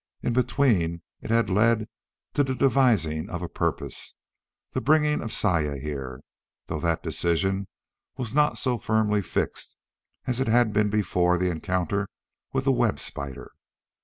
In between it had led to the devising of a purpose the bringing of Saya here though that decision was not so firmly fixed as it had been before the encounter with the web spider.